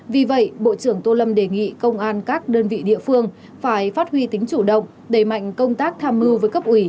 vì vậy bộ trưởng tô lâm đề nghị công an các đơn vị địa phương phải phát huy tính chủ động đẩy mạnh công tác tham mưu với cấp ủy